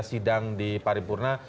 sidang di paripurna